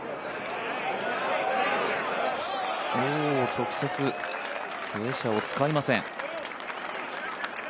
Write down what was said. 直接、傾斜を使いません。